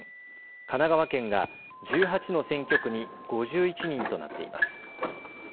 神奈川県が１８の選挙区に５１人となっています。